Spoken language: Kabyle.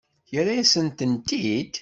Yerra-yasen-tent-id?